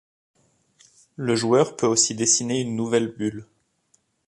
Le joueur peut aussi dessiner une nouvelle bulle.